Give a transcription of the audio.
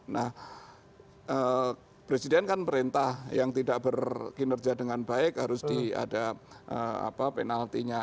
nah presiden kan perintah yang tidak berkinerja dengan baik harus ada penaltinya